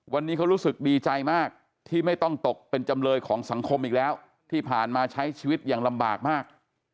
วันนี้เขารู้สึกดีใจมากที่ไม่ต้องตกเป็นจำเลยของสังคมอีกแล้วที่ผ่านมาใช้ชีวิตอย่างลำบากมาก